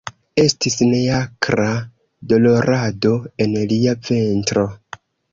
Estis neakra dolorado en lia ventro.